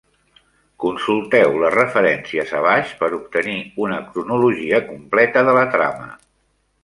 Consulteu les referencies abaix per obtenir una cronologia completa de la trama.